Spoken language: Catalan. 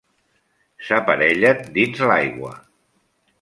S'aparellen dins l'aigua.